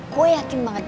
gue yakin banget